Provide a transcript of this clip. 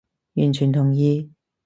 完全同意